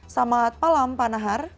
selamat malam pak nahar